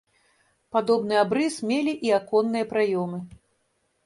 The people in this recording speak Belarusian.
Падобны абрыс мелі і аконныя праёмы.